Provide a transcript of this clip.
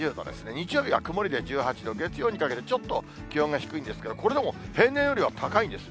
日曜日が曇りで１８度、月曜にかけてちょっと気温が低いんですけど、これでも平年よりは高いんです。